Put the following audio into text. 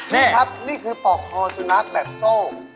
นี่ครับนี่คือปกโศนักแบบโซ่